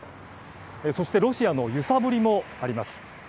そしてロシアの揺さぶりもあります。